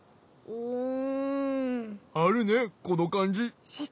うん。